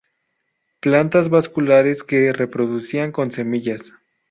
Plantas vasculares que reproducían con semillas.